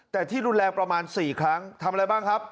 แต่ที่รุนแรงประมาณ๔ครั้งทำอะไรบ้างครับ